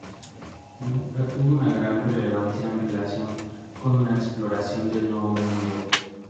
Sanlúcar tuvo una gran relevancia en relación con la exploración del Nuevo Mundo.